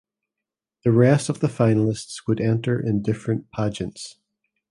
The rest of the finalists would enter in different pageants.